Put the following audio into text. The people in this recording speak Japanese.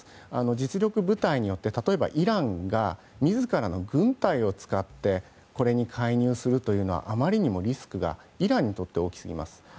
実力部隊によって例えばイランが自らの軍隊を使ってこれに介入するというのはあまりにもリスクがイランにとって大きすぎます。